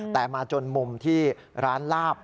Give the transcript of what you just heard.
แต่มาจนมุมที่ร้านลาบ